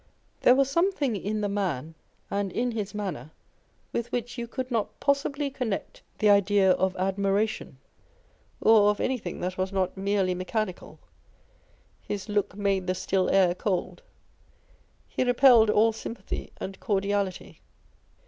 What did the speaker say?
There was something in the man and in his manner, with which you could not possibly connect the idea of ad miration, or of anything that was not merely mechanical His look made the still air cold. lie repelled all sympathy and cordiality.